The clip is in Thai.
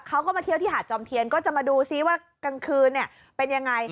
เขาก็มาเที่ยวที่หาดจอมเทียนก็จะมาดูซิว่ากลางคืนเป็นยังไง